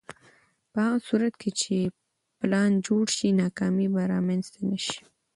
په هغه صورت کې چې پلان جوړ شي، ناکامي به رامنځته نه شي.